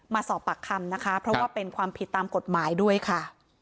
มาสอบปากคำนะคะเพราะว่าเป็นความผิดตามกฎหมายด้วยค่ะ